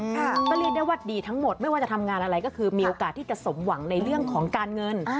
ก็เรียกได้ว่าดีทั้งหมดไม่ว่าจะทำงานอะไรก็คือมีโอกาสที่จะสมหวังในเรื่องของการเงิน